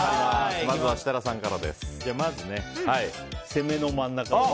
まず、攻めの真ん中。